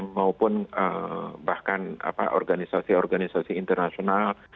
maupun bahkan organisasi organisasi internasional